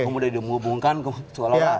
kemudian dihubungkan seolah olah